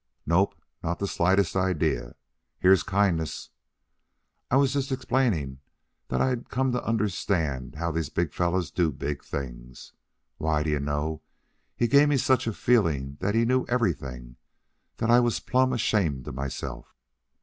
"Nope, not the slightest idea. Here's kindness. I was just explaining that I'd come to understand how these big fellows do big things. Why, d'ye know, he gave me such a feeling that he knew everything, that I was plumb ashamed of myself."